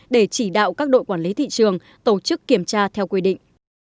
để chỉ đạo các đội quản lý thị trường tổ chức kiểm tra theo quy định